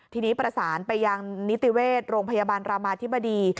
ทีนี้ประสานไปยังนิติเวชโรงพยาบาลรามาธิบดี